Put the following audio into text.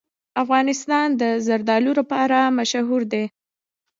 افغانستان د زردالو لپاره مشهور دی.